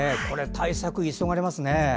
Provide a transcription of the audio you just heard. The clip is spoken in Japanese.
対策急がれますね。